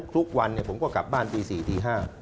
ทุกวันเนี่ยผมก็กลับบ้านตีสี่ตีห้า